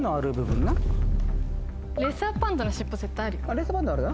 レッサーパンダあるな。